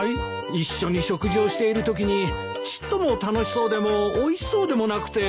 一緒に食事をしているときにちっとも楽しそうでもおいしそうでもなくて。